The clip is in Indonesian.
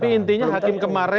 tapi intinya hakim kemarin